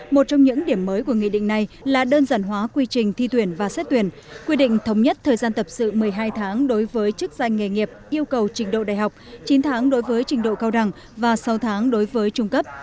một trong những điểm mới của nghị định này là đơn giản hóa quy trình thi tuyển và xét tuyển quy định thống nhất thời gian tập sự một mươi hai tháng đối với chức danh nghề nghiệp yêu cầu trình độ đại học chín tháng đối với trình độ cao đẳng và sáu tháng đối với trung cấp